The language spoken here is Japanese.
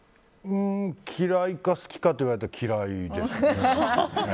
嫌いか好きかといわれると嫌いですね。